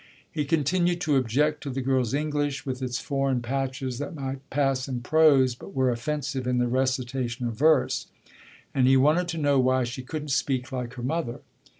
He continued to object to the girl's English, with its foreign patches that might pass in prose but were offensive in the recitation of verse, and he wanted to know why she couldn't speak like her mother.